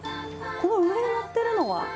この上に載っているのは？